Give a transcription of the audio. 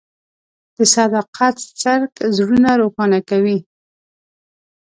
د صداقت څرک زړونه روښانه کوي.